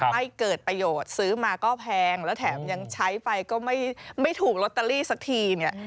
ไม่เกิดประโยชน์ซื้อมาก็แพงแล้วแถมยังใช้ไปก็ไม่ถูกลอตเตอรี่สักทีเนี่ย